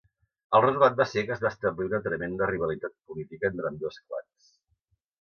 El resultat va ser que es va establir una tremenda rivalitat política entre ambdós clans.